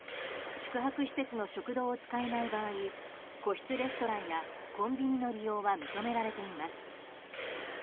宿泊施設の食堂を使えない場合個室レストランやコンビニの利用は認められています。